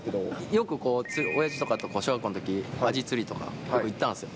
よくおやじとかと小学校のときアジ釣りとかよく行ったんですよ。